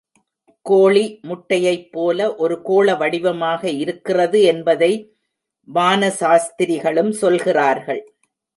கோழி முட்டையைப் போல ஒரு கோளவடிவமாக இருக்கிறது என்பதை வான சாஸ்திரிகளும் சொல்கிறார்கள்.